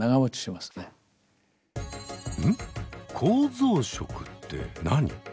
構造色って何？